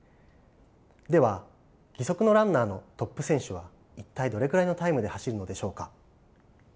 では義足のランナーのトップ選手は一体どれくらいのタイムで走るのでしょうか。